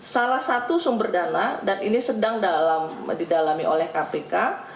salah satu sumber dana dan ini sedang didalami oleh kpk